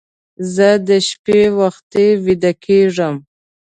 زه د شپې وختي ویده کېږم